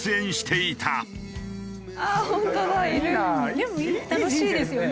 でも楽しいですよね。